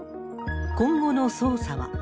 今後の捜査は。